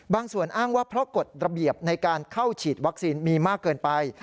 อ้างว่าเพราะกฎระเบียบในการเข้าฉีดวัคซีนมีมากเกินไป